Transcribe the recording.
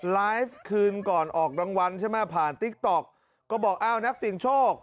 ไลฟ์คืนก่อนออกรางวัลใช่ไหมผ่านติ๊กต๊อกก็บอกอ้าวนักเสี่ยงโชค